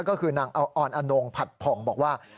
ก็คือนางออนอนงผัดผ่องบอกว่า